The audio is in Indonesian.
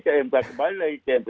kembali lagi ke mp